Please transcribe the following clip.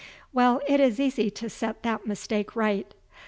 Well, it is easy to set that mistake right.